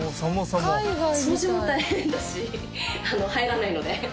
掃除も大変だし入らないので。